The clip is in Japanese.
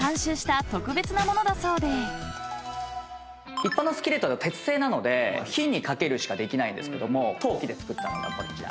一般のスキレットは鉄製なので火に掛けるしかできないですが陶器で作ったのがこちら。